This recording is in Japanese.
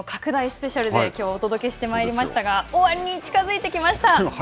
スペシャルできょうはお届けしてまいりましたが、終わりに近づいてきました。